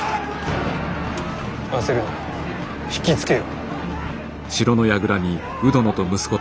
焦るな引き付けよ。